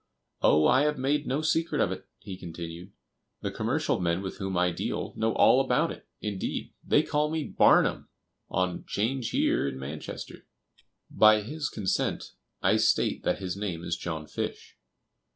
Oh, I have made no secret of it," he continued; "the commercial men with whom I deal know all about it: indeed, they call me 'Barnum' on 'change here in Manchester." [B] By his consent I state that his name is John Fish.